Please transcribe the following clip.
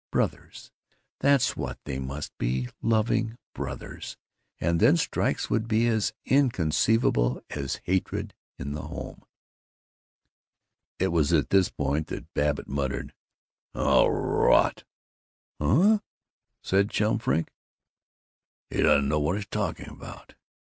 Brothers, that's what they must be, loving brothers, and then strikes would be as inconceivable as hatred in the home!" It was at this point that Babbitt muttered, "Oh, rot!" "Huh?" said Chum Frink. "He doesn't know what he's talking about.